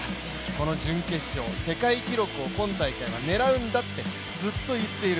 この準決勝世界記録を今大会は狙うんだとずっと言ってる。